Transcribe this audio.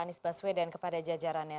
anies baswedan kepada jajarannya